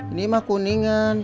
ini mah kuningan